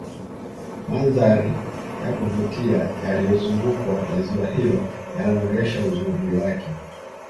mandhari ya kuvutia yaliozungukwa na ziwa hilo yananogesha uzuri wake